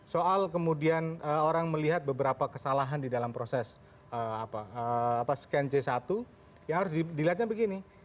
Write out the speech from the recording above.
soal kemudian orang melihat beberapa kesalahan di dalam proses scan c satu yang harus dilihatnya begini